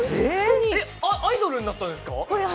アイドルになったんですか？